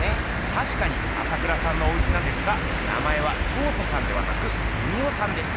たしかに朝倉さんのおうちなんですが名前は彫塑さんではなく文夫さんです。